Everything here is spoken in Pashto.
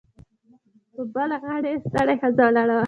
په بله غاړه یوه ستړې ښځه ولاړه وه